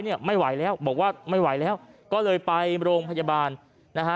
ไม่ไหวแล้วบอกว่าไม่ไหวแล้วก็เลยไปโรงพยาบาลนะฮะ